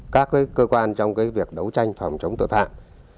các cơ quan trong việc đấu tranh phòng chống tội phạm